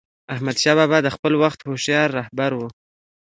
احمدشاه بابا د خپل وخت هوښیار رهبر و.